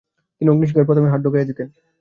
তিনি অগ্নিশিখায় প্রথমে হাত ঢুকাইয়া দিতেন।